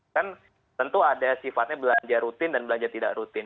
kan tentu ada sifatnya belanja rutin dan belanja tidak rutin